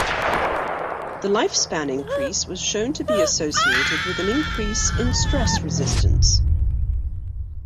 The lifespan increase was shown to be associated with an increase in stress resistance.